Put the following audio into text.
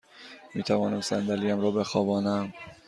می توانم صندلی ام را بخوابانم؟